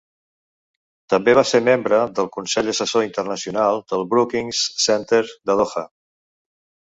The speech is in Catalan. També va ser membre del consell assessor internacional del Brookings Center de Doha.